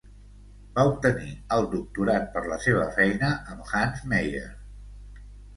Va obtenir el doctorat per la seva feina amb Hans Meyer.